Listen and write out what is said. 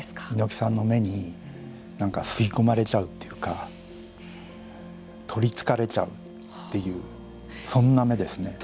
猪木さんの目に何か吸い込まれちゃうっていうか取りつかれちゃうっていうそんな目ですね。